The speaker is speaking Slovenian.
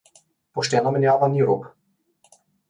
Poštena menjava ni rop.